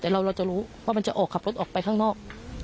แต่เราจะรู้ว่ามันจะออกขับรถออกไปข้างนอก